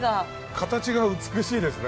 形が美しいですね